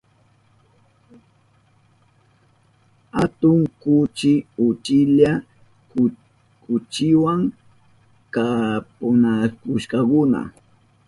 Atun kuchi uchilla kuchiwa chapunakushkakuna.